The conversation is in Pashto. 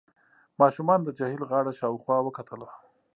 ماشومانو د جهيل غاړه شاوخوا وکتله.